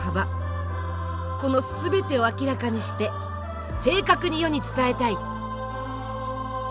この全てを明らかにして正確に世に伝えたい。